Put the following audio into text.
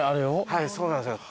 はいそうなんです。